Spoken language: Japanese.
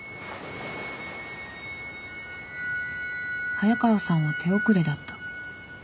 早川さんは手遅れだった。